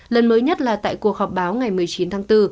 lần mới nhất là tại cuộc họp báo ngày một mươi chín tháng bốn